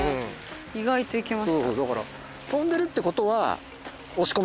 意外といきました。